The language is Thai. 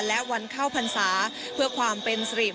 และวันเข้าพรรษาเพื่อความเป็นสิริ